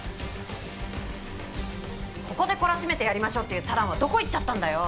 ここで「懲らしめてやりましょう」って言う四朗はどこ行っちゃったんだよ！？